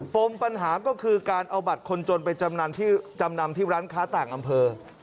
ปมปัญหาก็คือการเอาบัตรคนจนไปจำนำที่จำนำที่ร้านค้าต่างอำเภอ